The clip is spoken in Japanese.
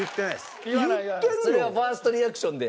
それはファーストリアクションで？